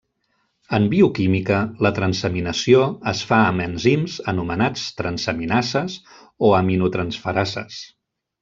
En bioquímica la transaminació es fa amb enzims anomenats transaminases o aminotransferases.